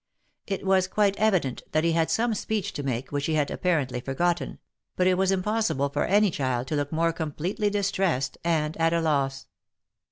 It was quite evident that he had some speech to make which he had apparently forgotten, for it was impossible for any child to look more completely distressed and at a loss.